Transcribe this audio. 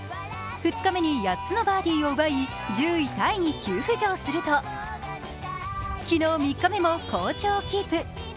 ２日目に８つのバーディーを奪い１０位タイに急浮上すると昨日３日目も好調をキープ。